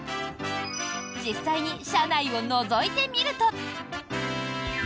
実際に社内をのぞいてみると。